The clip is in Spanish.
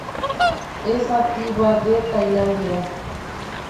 Es nativa de Tailandia.